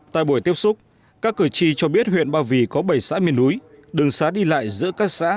tại buổi tiếp xúc các cử tri cho biết huyện ba vì có bảy xã miền núi đường xá đi lại giữa các xã